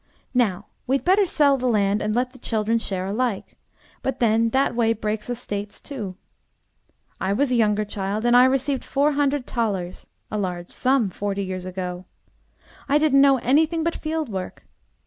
Now, we'd better sell the land and let the children share alike; but then that way breaks estates too. I was a younger child, and I received four hundred thalers; a large sum forty years ago. I didn't know anything but field work.